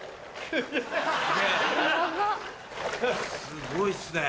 すごいっすね。